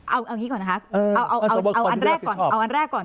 เอาอย่างนี้ก่อนนะคะเอาอันแรกก่อน